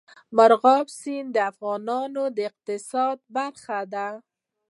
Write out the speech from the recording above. مورغاب سیند د افغانستان د اقتصاد برخه ده.